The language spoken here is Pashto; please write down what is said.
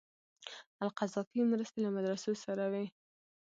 القذافي مرستې له مدرسو سره وې.